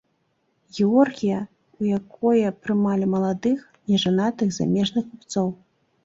Георгія, у якое прымалі маладых, нежанатых замежных купцоў.